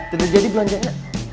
tidak jadi belanjanya